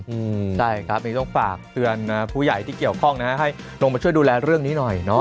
อืมใช่ครับนี่ต้องฝากเตือนผู้ใหญ่ที่เกี่ยวข้องนะฮะให้ลงมาช่วยดูแลเรื่องนี้หน่อยเนาะ